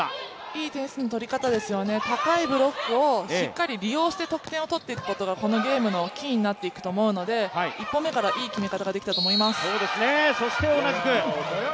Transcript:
いい点数の取り方ですよね、高いブロックをしっかり利用して得点を取っていくことがこのゲームのキーになっていくと思うので１本目からいい決め方ができたと思います。